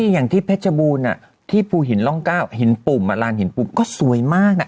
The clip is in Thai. อย่างที่แพทย์จบูนที่หินปุ่มก็สวยมากน่ะ